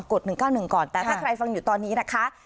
ด๑๙๑ก่อนแต่ถ้าใครฟังอยู่ตอนนี้นะคะ